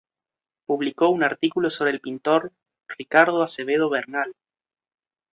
Publicó un artículo sobre el pintor Ricardo Acevedo Bernal.